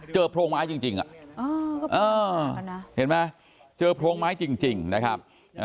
โพรงไม้จริงเห็นไหมเจอโพรงไม้จริงนะครับ